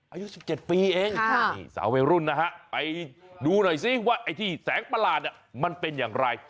อายุ๑๗ปีเองนี่สาววัยรุ่นนะฮะไปดูหน่อยซิว่าไอ้ที่แสงประหลาดมันเป็นอย่างไร